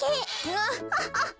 アハハハ！